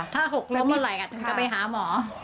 ถ้าหกล้มหมดไหล่กันก็ไปหาหมอ